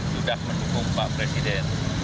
sudah mendukung pak presiden